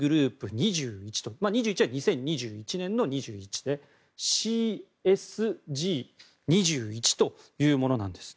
２１というのは２０２１年の２１でＣＳＧ２１というものです。